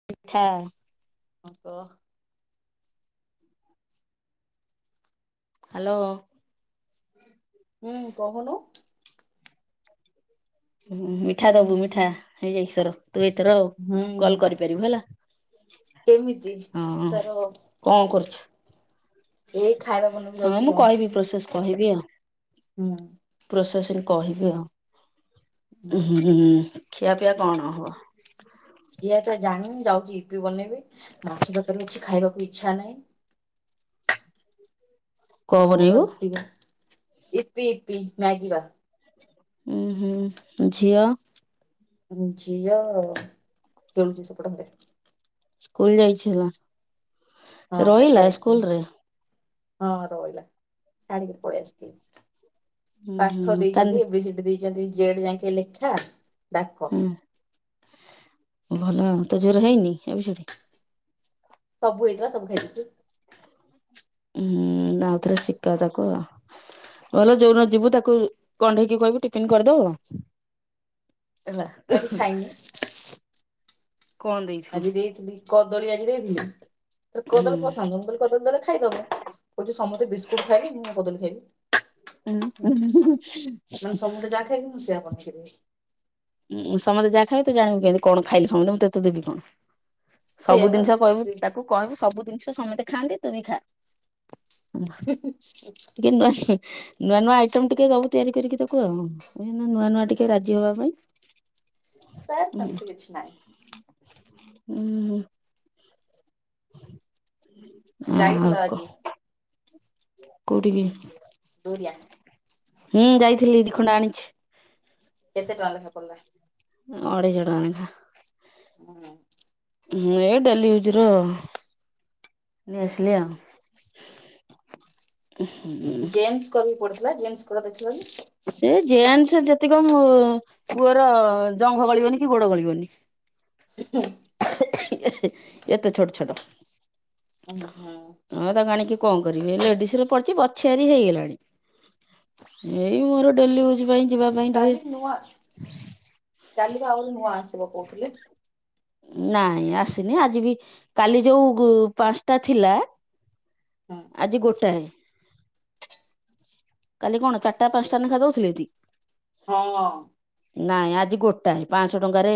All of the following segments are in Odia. [inaudible] ଓହୋ। ହ୍ୟାଲୋ। ହୁଁ କହୁନୁ। ମିଠା ଦବୁ ମିଠା ହେଇଯାଇ ସର ତୁ ଏଥର ଆଉ ହୁଁ ହୁଁ। କଲ କରିପାରିବୁ ହେଲା। କେମିତି ହଁ ତାର କଣ କରୁଛୁ? ଏଇ ଖାଇବା ବନକୁ ହଁ ମୁଁ ଯାଉଛି ରହ। କହିବି ପ୍ରୋସେସ କହିବି ଆଉ। ହୁଁ। ପ୍ରୋସେସିଂ କହିବି ଆଉ, ହୁଁ ଖିଆ ପିଆ କଣ ହବ? ଇଏତ ଜାଣିନି ଯାଉଛି ଇପି ବନେଇବି ମାଛ ତରକାରୀ କିଛି ଖାଇବାକୁ ଇଚ୍ଛା ନାହିଁ। କଣ ବହୁତ ବନେଇବୁ? ରୁଟିବା ଇପି ଇପି ମ୍ୟାଗିବା। ଉୁଁ ହୁଁ ଝିଅ। ଝିଅ ଖେଳୁଛି ସେପଟ ଘରେ। ସ୍କୁଲ ଯାଇଥିଲା ହଁ ଆଜି ରହିଲା ଯାଇଥିଲା ସ୍କୁଲରେ। ହଁ ରହିଲା ଛାଡିକି ପଳିଆସିଲି। ହୁଁ ହୁଁ ପାଠ କାନ୍ଦି ଦେଇଛନ୍ତି ଏ ବି ସି ଡି ଦେଇଛନ୍ତି ଜେଡ ଯାକ ଲେଖା ଡାକ। ହୁଁ ଭଲ ଆଉ ତୋ ଝିଅର ହେଇନି ଏ ବି ସି ଡି। ସବୁ ହେଇଥିଲା ସବୁ ଖାଇଦେଇଛି। ହଁ ଆଉଥରେ ଶିଖା ତାକୁ ଆଉ ଭଲ ଯୋଉଦିନ ଯିବୁ ତାକୁ କଣ୍ଢେଇକି କହିବୁ ଟିଫନ କରିଦବ। ହେଲା ଉୁଁ ଆଜି ହୁଁ। ଖାଇନି ଆଜି ଦେଇଥିଲି କଦଳୀ ଆଜି ଦେଇଥିଲି ତାର କଦଳୀ ପସନ୍ଦ। କଦଳୀ ତାହେଲେ ଖାଇଦବ କହୁଛ ସମସ୍ତେ ବିସ୍କୁଟ ଖାଇଲେ ମୁଁ କଦଳୀ ଖାଇବି। ହେଲା ସମସ୍ତେ ମାନେ ସମସ୍ତେ ଯାହା ଖାଇବେ ମୁଁ ସେଇଆ ବନେଇଦେବି। ଉଁ ସମସ୍ତେ ଯାହାଇବେ ତୁ ଯାଣିବୁ କେମିତି କଣ ଖାଇଲି ସମସ୍ତେ ମୁଁ ତତେ ଦେବି କଣ? ସେଇଆ ସବୁ ବା ଜିନିଷ କହିବୁ ତାକୁ କହିବୁ ସବୁ ଜିନିଷ ସମସ୍ତେ ଖାଆନ୍ତି ତୁବିଖା। [unintelligible] ନୂଆ ନୂଆ ଆଇଟମ ଟିକେ ଦବୁ ତିଆରି କରିକି ତାକୁ ଆଉ ନୂଆ ନୂଆ ଟିକେ ରାଜି ହବାପାଇଁ। ତାର ସେମିତି ଉୁଁ କିଛି ନାହିଁ ହୁଁ ହୁଁ ଆଉ ଯାଇଥିଲା କହ ଆଜି କୋଉଠିକି। ଦୁରିଆ। ଉୁଁ ଯାଇଥିଲି ଦି ଖଣ୍ଡ ଆଣିଛି। କେତେ ଟଙ୍କା ଲେଖା ପଡିଲା। ଅଢେଇଶହ ଟଙ୍କା ଲେଖା। ଉୁଁ। ହୁଁ ଏଇଡାଲି ଭେଜର ନେଇଆସିଲି। [unintelligible] ଉୁଁ ହୁଁ ଉୁଁ [unintelligible] ସେ ଜିନ୍ସ ଯେତିକ ପୁଅର ଜଙ୍ଘ ଗଳିବନି କି ଗୋଡ ଗଳିବନି। [unintelligible] [unintelligible] ଏତେ ଛୋଟ ଛୋଟ। ଓ ହୋ। ହଁ ତାକୁଆଣିକି କଣ କରିବେ ଲେଡିସରେ ପଡିଚି ବଛୁଆରି ହେଇଗଲାଣି। ଏଇ ମୋର ଡେଲି ୟୁଜ ପାଇଁ। ଯିବା ପାଇଁ ଟିକେ କାଲିକି ନୂଆ କାଲିକି ଆଉଗୋଟେ ନୂଆ ଆସିବ କହୁଥିଲେ। ନାଇଁ ଆସିନି ଆଜିବି କାଲି ଯୋଉ ପାଞ୍ଚଟା ଥିଲା। ହୁଁ। ଆଜି ଗୋଟାଏ। କାଲି କଣ ଚାରିଟା ପାଞ୍ଚଟା ଲେଖା ଦଉଥିଲେକି। ହଁ। ନାଇଁ ଆଜି ଗୋଟାଏ ପାଆଁଶହ ଟଙ୍କାରେ।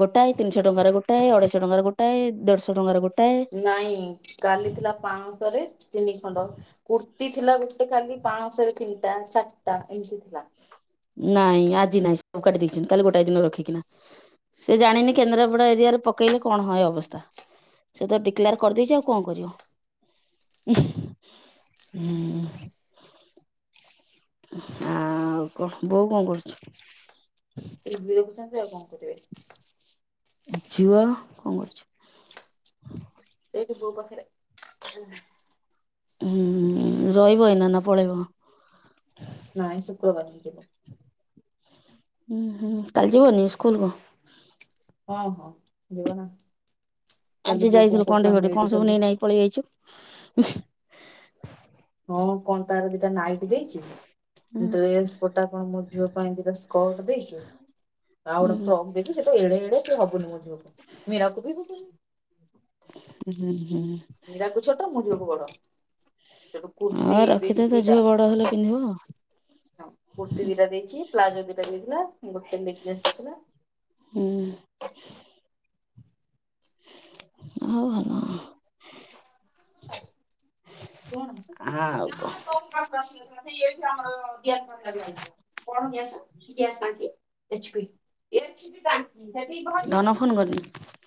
ଗୋଟାଏ ତିିଶହ ଟଙ୍କାରେ ଗୋଟାଏ ଅଢେଇଶହ ଟଙ୍କାର ଗୋଟଏ ଦେଢଶହ ଟଙ୍କାରେ ଗୋଟ ନାଇଁ କାଲିଥିଲା ପାଆଁଶହରେ ତିନି ଖଣ୍ଡ। କୁର୍ତ୍ତିୀ ଥିଲା ଗୋଟେ କାଲି ପାଆଁଶହରେ ତିନିଟା ସାତଟା ଏମିତି ଥିଲା। ନାଇଁ ଆଜି ନାଇଁ ସବୁ କାଟିି ଦେଇଛନ୍ତି, କାଲି ଗୋଟାଏ ଦିନ ରଖିକିନା। ସେ ଜାଣିନି କେନ୍ଦ୍ରାପଡା ଏରିଆରେ ପକେଇଲେ କଣ ହୋଏ ଅବସ୍ଥା। ସେ ତ ଡିକ୍ଲାର କରିଦେଇଛି ଆଉ କଣ କରିବ। ହୁଁ। ଆଉ କଣ ବୋଉ କଣ କରୁଚି? ଟିଭି ଦେଖୁଛନ୍ତି ଆଉ କଣ କରିବେ। ଝୁଅ କଣ କରୁଚି? ଏଇଠି ବୋଉ ପାଖରେ। ହୁଁଁ ରହିବ ଏଇନା ନା ପଳେଇବ? ନାଇଁ ଶୁକ୍ରବାର ଯିବ। ହୁଁ ହୁଁ କାଲି ଯିବନି ସ୍କୁଲ କୁ? ହଁ ହଁ ଯିବ ନା। କାଲି ଆଜି ବୋଉ ଯାଇଥିଲୁ କଣ କହୁଥିଲା କଣ୍ଢେଇ ଘଟି କଣ ସବୁ ମେଡିକାଲ ନେଇ ନାଇଁ ପଳେଇ ଯାଇଛୁ। ହଁ କଣ ତାର ଦିଟା ନାଇଁଟି। ଦେଇଛି ହୁଁ ଡ୍ରେସ ପଟା କଣ ମୋ ଝିଅ ପାଇଁ ଦିଟା ସ୍କର୍ଟ ଦେଇଛି। ଆଉ ଗୋଟେ ହୁଁ ଫ୍ରକ୍ ଦେଇଛି ସେଇଟା ଏଡ଼େ ଏଡେ ହବୁନି ମୋ ଝିଅକୁ ମୀରାକୁ ବି ହବନି। ହୁଁ ହୁଁ। ମୀରାକୁ ଛୋଟ ମୁଁ ଝିଅକୁ ବଡ ସେଠୁ ଠୁ ହଁ କୁର୍ତ୍ତିୀ ରଖିଦେ ଦେଇଛି ତୋ ଦିଟା। ଝିଅ ବଡ ହେଲେ ପିନ୍ଧିବ। ହଁ କୁର୍ତ୍ତି ଦିଟା ଦେଇଛି ପ୍ଳାଜୋ ଦିଟା ଦେଇଥିଲା ଗୋଟେ ଲେଙ୍ଗିସ୍ ଦେଇଥିଲା। ହୁଁ। ହୋଉ ଭଲ। କଣ ଆଉ ନା କଣ ନା ତୋ ମ ପ୍ରଶ୍ନ କସ ଏଇଥିଲା ଆମର। ଇ କଣସସଙ୍କ [unintelligible] ହେବି ଭରିବ। [unintelligible]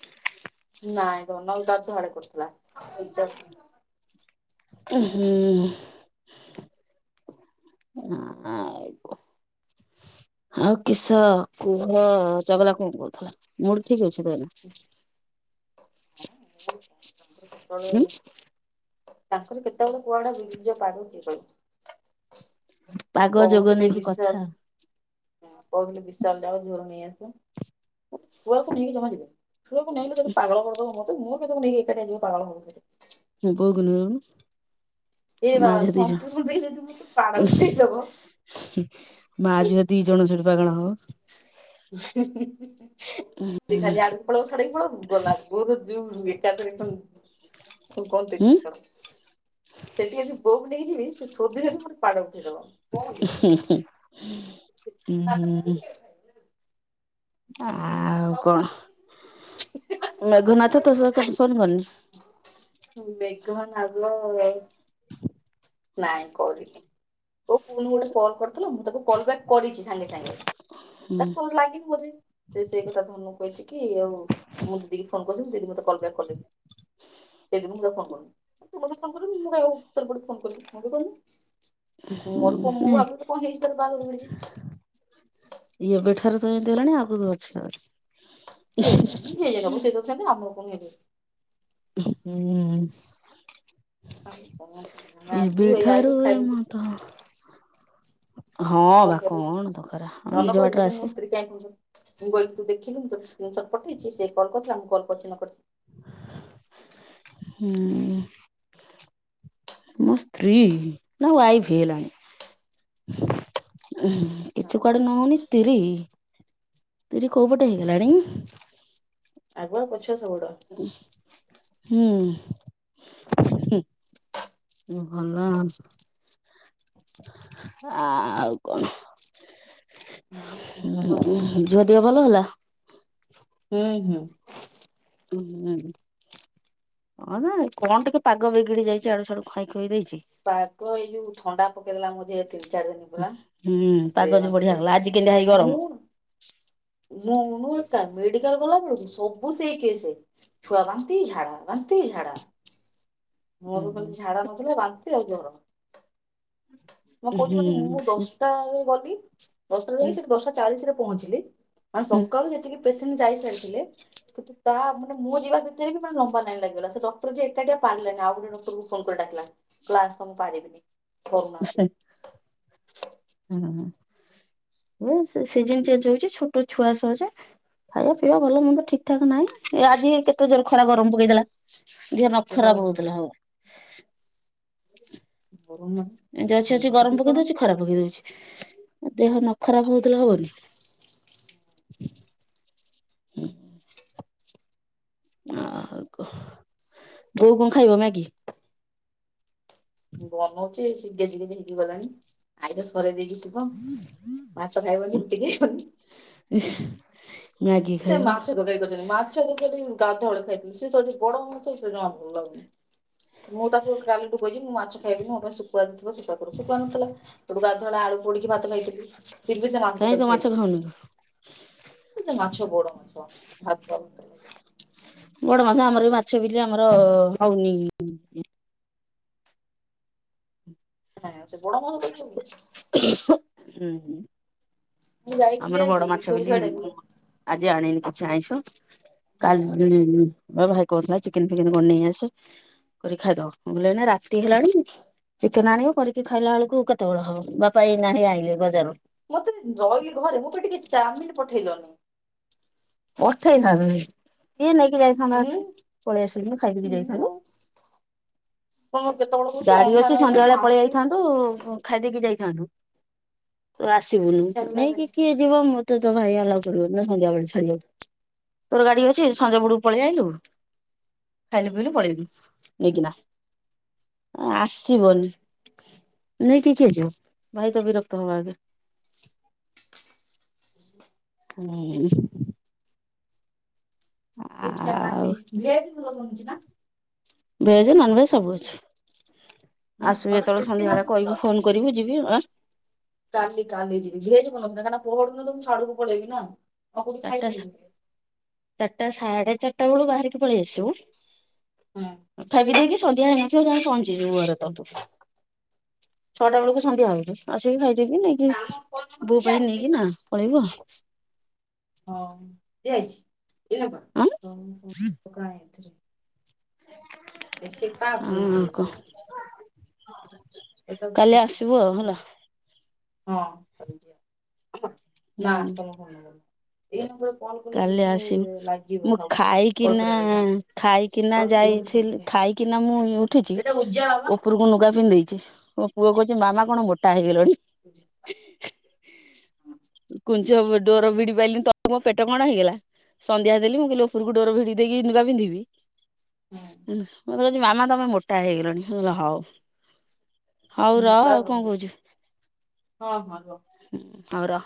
ନାଇଁ ଧାନ [unintelligible] ତଳେ ପଡିଥିଲା। ହୁଁ। ହ [unintelligible] ଆଉ କିସ କୁହ ଚଗଲା କଣ କହୁଥିଲା, ମୂର୍ତ୍ତି କରୁଛି ତାହେଲେ? ହଁ କ ତାଙ୍କର କେତେବେଳେ ହୁଁ ତାଙ୍କର କେତେ ବେଳେ କୁଆଡେ ବିଗିଡି ଯିବ ପାଗ କିଏ କହିବ। ପାଗ ଯୋଗ ନେଇକି କଥା ଆଉ। କୋଉଥିଲି ବିଶାଳ ଜାୟ ଝିଅର ନେଇଆସିବ। ପୁଅ କୁ ନେଇକି ଜମା ଯିବିନି। ଛୁଆକୁ ନେଇକି ଲୋ ପାଗଳ କରିଦବ ମତେ, ମୋର କିଏ ତାକୁ ନେଇକି ଏକା ଏକା ଯିବ ପାଗଳ ହବ ସେଠି। ବୋଉ କୁ ନଉନୁ? ଏ ବାବା ସମ୍ପୂର୍ଣ ଦେଇ ମତେ [unintelligible] ଦବ। ମାଆ ଝିଅ ଦି ଜଣ ସେଠି ପାଗଳ ହବ। [unintelligible] ଆଡୁ। [unintelligible] ଏକାଥରେ କଣ ହଁ କହନ୍ତି କିଛ ଉଁ ସେଠି ଯଦି ପୋକ ନେଇଯିବି ସେ ଶୋଧିଲର [unintelligible] ହୁଁ। [unintelligible] ଆଉ କଣ ମେଘନାଥ ତୋ ସ ଫୋନ କରନି? ମେଘନାଦ ନାଇଁ କରିନି। ଓପୁଣି ଗୋଟେ କଲ କରିଥିଲ। ମୁଁ ତାକୁ କଲ ବ୍ୟାକ୍ କରିଚି ସାଙ୍ଗେ ସାଙ୍ଗେ। ହୁଁ ତାକୁ ଆଉ ଲାଗିନି ବୋଧେ। ସେ ସେଇ କଥା ଧନୁକୁ କହିଚି କି ଆଉ ମୁଁ ଦିଦି କି ଫୋନ କରିଥିଲି ଦିଦି ମତେ କଲ୍ ବ୍ୟାକ୍ କଲେନି। ସେଦିନ ମୁଁ ତାକୁ ଫୋନ କରୁନି। ତୁ ମତେ ଫୋନ କରିବୁନି ମୁଁ କାଇଁ ଉପରେ ପଡ଼ିକି ଫୋନ କରିବି। ମୁଁ ବି କରୁନି। କି ହୁଁ ମୋର କଣ' ମୁଁ ନାଇଁ ଭାବିଲି କଣ ହେଇଚି ବାହାଘରକୁ ପଳେଇଚି। ଏବେଠାରୁ ତ ଇନ୍ତିହେଲଣି ଆଗକୁ ଅଛି ଆହୁରି। କେଜାଣି ଯିଏ ହେବ [unintelligible] ଆମ କଣ ହେଇଯାଉଚି। ହୁଁ। ଆମେ ଆସିବୁ ଏବେ ଏଇ ଆଇଲୁ ଠାରୁ ଖାଇଲୁ ଏମନ୍ତ। ହଁ [unintelligible] ଧନ ବା କହୁଚି କଣ ଦରକାର ଆମ ନିଜ ବାଟରେ କହୁଚି ମୋ ଆସିବ ସ୍ତ୍ରୀ। ମୁଁ କହିଲି ତୁ ଦେଖିଲୁ ମୁଁ ତତେ ସ୍କିନ ସଟ ପଠେଇଚି। ସେ କଲ୍ କରିଥିଲା ମୁଁ କଲ୍ କରିଚି ନ କରିଚି। ହୁଁ। ମୋ ସ୍ତ୍ରୀ ନା ୱାଇଫ ହେଲାଣି। [unintelligible] ନା କିଛି ଉଠେ କୁଆଡ଼ୁ ନ ହୋଉଣୁ ତିରି ତିରି କୋଉ ପଟୁ ହେଇଗଲାଣି? ଆଗୁଆ ପଛୁଆ ସବୁଆଡ଼ୁଆ। ହୁଁ। ହୁଁ, ଭଲ। ଆଉ କଣ? ନାଇଁ କଣ ହୁଁ ଭଲ ହୁଁ ଝିଅ ଦିହ ଭଲ ହେଇଗଲା? ହୁଁ ହୁଁ। ହୁଁ। ହଁ ନା ଏ କଣ ଟିକେ ପାଗ ବିଗିଡ଼ି ଯାଇଚି। ଇଆଡ଼ୁ ସିଆଡ଼ୁ ଖାଇ ଖୁଇ ଦେଇଚି। ପାଗ ଏଇ ଯୋଉ ଥଣ୍ଡା ପକେଇ ଦେଲା ମଝି ରାତିରୁ। ଚାରି ଦିନୀ ହୁଁ ପାଗ ଯୋଉ ବଢିଆ ହେଲା ପୁରା ଆଜି କେମିତିଆ ହେଇ ଗରମ [unintelligible] ମୁଁନୁ ଏକା ମେଡିକାଲ ଗଲା ବେଳକୁ ସବୁ ସେଇ କେସ। ଛୁଆ ବାନ୍ତି ଝାଡ଼ା ବାନ୍ତି ଝାଡ଼ା। ମୋର ହୁଁ ଖାଲି ଝାଡ଼ା ନଥିଲା। ବାନ୍ତି ଆଉ ଜର। ମୁଁ କହୁଚି ମାନେ ମୁଁ ସେ ଦଶଟାରେ ଗଲି। ଦଶଟାରେ ଗଲି ସେଠି ଦଶଟା ଚାଳିଶ ରେ ପହଞ୍ଚିଲି। ଆଉ ହୁଁ ସକାଳୁ ଯେତିକି ପେସେଣ୍ଟ ଯାଇ ସାରିଥିଲେ। କିନ୍ତୁ ତା ମାନେ ମୁଁ ଯିବା ଭିତରେ ମାନେ ଲମ୍ବା ଲାଇନ୍ ଲାଗିଗଲା। ଡକ୍ଟର ଯିଏ ଏକାଟିଆ ପାରିଲାନି। ଆଉ ଗୋଟେ ଡକ୍ଟର କୁ ଫୋନ କରି ଡାକଲା। କହିଲା ଆସ ମୁଁ ପାରିବିନି। ଡରୁ ନାହାନ୍ତି। ହୁଁ ସିଜନ ଚେଞ୍ଜ ହଉଚି। ଛୋଟ ଛୁଆ ସହଯେ। ଖାଇବା ପିଇବା ଭଲ ମନ୍ଦ ଠିକଠାକ ନାହିଁ। ଏ ଆଜି ହେଇ କେତେ ଜୋର ଖରା ଗରମ ପକେଇଦେଲା। ଦିହ ନ ସେ ବାବା ଖରାପ ରେ ବାବା ହଉଥିଲେ ହବ। ପୁରୁଣା ଏମିତି ଅଛି ଅଛି ଗରମ ପକେଇ ଦଉଚି। ଖରା ଉଚି ଦେହ ନ ଖରାପ ହଉଥିଲେ ହବନି। ହୁଁ। ଆଉକଣ କୁହ? ବୋଉ କଣ ଖାଇବ ମାଗି? ବନଉଚି ମେଘ ଟିକେ ଟିକେ ହେଇକିଗଲାଣି। ଆଇର ସରେଇ ଦେଇକିି ଯିବ। ଭାତ ଖାଇବନିିକି ରୁଟି ଖାଇବନି। ଇଁହିଁ। ସେ ମାଛ ଧରେଇ ଦଉଚନ୍ତି ମାଛ ମାଛ ଦେଲି ଗାଧଆଳେ ଖାଇଥିଲି ସେ ଯଦି ବଡ ହୁଅନ୍ତେ ମତେ ଜମା ଭଲ ଲାଗୁନି ମୁଁ ତାକୁ କାଲି ମୁଁ କହୁଚି ମୁଁ ମାଛ ଖାଇନି ମୋ ପାଇଁ ଶୁଖୁଆ ଯଦି ଥିବ ଶୁଖୁଆ ପୋଡ଼ ଶୁଖୁଆ ନଥିଲା ହଠୁ ଅଗାଧୁଆ ଆଳୁ ପୋଡିକି ଭାତ ଖାଇଥିଲି। ତିନି ସେ ମା ତ କାହିଁ ତୁ ମାଛ ଖାଇଥିଲୁ। ଖାଉନି ସେ ମାଛ ବଡ ମାଛ ଭାତ। ବଡ ମାସ ଆମର ବି ମାଛ ବିଲେ ଆମର ହଉନି। ହଁ ସେ ବଡ ମହ କେମିତି? ହୁଁ। ମୁଁ ଯାଇଥିଲି ଆମର ବଡ ଆଜି ମାଛ ଯୋଉ ବୋଲି ସିଆଡେ ମୁଁ ଆଜି ଆଣିନି କିଛି ଆନିଶ। କାଲିୋ ଭାଇ କହୁଥିଲା ଚିକେନ୍ ଫିକନ୍ କଣ ନେଇ ଆସ। କରି ଖାଇଦବ ମୁ ବୁଲ ନା ରାତି ହେଲାଣି। ଚିକେନ ଆଣିବ କରିକି ଖାଇଲା ବେଳକୁ କେତେବେଳେ ହବ ବାପା ଏଇଣ ଆଇିଲେ ବଜାରରୁ। ମତେ ରହିଲି ଘରେ ମୋ ତେ ଟିକେ ଚାଉମିନ ପଠେଇଲନି। ଅଠେଇସାର ଇଏ ନେଇକି ଯାଇଥାନ୍ତ ମୁଁ ଅଛି ପଳେଇ ଆସିଲି ଖାଇକିକି ମୁଁ ଯାଇଥାନ୍ତୁ। କଣ କେତେବେଳେ? କହୁଛି ଗାଡି ଅଛି ଅନ୍ଧାର ହବ ସନ୍ଧ୍ୟା ବେଳେ ମୁଁ ପଳେଇ ଆସିବି ଯାଇଥାନ୍ତୁ ଖାଇ ଦେଇକି ଯାଇଥାନ୍ତୁ ତ ଆସିବୁନୁ ଇଚ୍ଛା ହେଲାନି ନେଇକି କିଏ? ଯିବ ମୋତେ ତ ଭାଇ ଆଲା କରିବ ନା ସନ୍ଧ୍ୟାବେଳେ ଛାଡିବକୁ ତୋର ଗାଡି ଅଛି ସଞ୍ଜ ବଡକୁ ପଳେଇ ଆଇଲୁ ଖାଇଲୁ ପିଇଲୁ ପଳେଇଲୁ ନେଇକିନା। ଆସିବନି ନେଇକି କିଏ ଯିବ ଭାଇ ତ ବିରକ୍ତ ହବ ଆଗେ। ହୁଁ। ଆଉ ସେଖିସଲି ଘିଥିଲ ମୁଲ ମଛି ନା ଭେଜ୍ ନନ୍ ଭେଜ୍ ସବୁ ଅଛି ମାନେ ଆସିବି ଭଲ ଯେତେବେଳେ ଟେଷ୍ଟି ସନ୍ଧ୍ୟାବେଳେ ବନୁଛି ତ କହିବୁ ଫୋନ୍ କରିବୁ ଯିବି ଆ କାଲି କାଲି ଯିବି ଭିଜିବନ କାଁକନା ପୁ ତ ମୁଁ ଆଡୁକୁ ପଳେଇବି ନା। ଆଉ କୋଉଠି ଚାରିଟା ଖାଇପାରିବି ଚାରିଟା ସାଢେ ଚାରିଟା ବେଳୁ ବାହାରିକି ପଳେଇ ଆସିବୁ। ହଁ। ଫବି ଦେ କିି [unintelligible] ସଧଆ ହେ ଅ ଯାଇ ପହଞ୍ଚିଯିବ ଘୁରେ ତୁ ଛଅଟା ବେଳକୁ ସନ୍ଧ୍ୟା ଭଉଛ ଆସିକି ଖାଇଯ କିି ଆମ ନାଇଁ। ଫୋନ ନମ୍ବର ବୋ ପାଇଁ ଦିଆହେଇଛି ନେଇକି ଦେଖିଲୁ ନା ପଳେଇବୁ ହଁ ଯ ଯାଇଛି ଏଥି ଆଉ ଆଁ କାହା ହ ଫୋନ ନମ୍ବର ଏଠି କହ? ଲେଖିଛି ଏଟା କାଲି ଫୋନ ଆସିବୁ ନମ୍ବର ଆଉ ଏଟା ହେଲା। ହଁ ହୁଁ ନା ତମ ଏଇ ନମ୍ବରରେ କଲ୍ କଲେ କାଲି ବୋଧେ ଆସିବୁ ଲାଗିବ ଭାବୁଛି କଲ କରିବା। କିନା କଲ୍ ଏଇଥିରେ କଲ୍ ଯାଇଥିଲି କରିବା। ଖାଇକିନା ମୁଁ ଉଠିଛି ଏଇଟା ଉଜାଲା ବା। ଉପରକୁ ଲୁଗା ପିନ୍ଧେଇଛି। ମୋ ପୁଅ କହୁଛି ମାମା କଣ ମୋଟା ହେଇଗଲଣି। ହଁ କୁ ଡୋର ବିଡିିବା। ପେଟ କଣ ହେଇଗଲା ସନ୍ଧ୍ୟା ଦେଲି ମୁଁ କହିଲି ଉପରକୁ ଡୋର ଭିଡି ଦେଇକିୁଗା ପିନ୍ଧିବି। ମତେ କହୁଛି ମାମା ତମେ ମୋଟା ହେଇଗଲଣି ହଉ। ହଉ ହଁ ର ଭଲ ଆଉ କଣ କହୁଛୁ ହଁ ହଁ ରୁହ। ହଉ ର